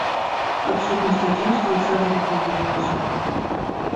Адсутнасць адзінства ў шэрагах яго войскаў.